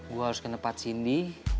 gue harus ke tempat sindi